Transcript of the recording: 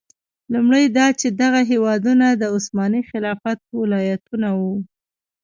لومړی دا چې دغه هېوادونه د عثماني خلافت ولایتونه وو.